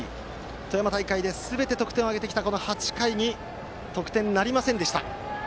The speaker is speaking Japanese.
富山大会ですべて得点を挙げてきたこの８回に得点なりませんでした。